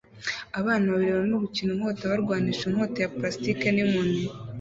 Abana babiri barimo gukina inkota barwanisha inkota ya plastiki n'inkoni